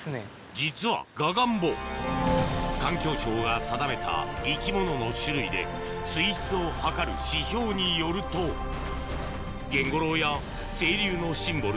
実はガガンボ環境省が定めた生き物の種類で水質を測る指標によるとゲンゴロウや清流のシンボル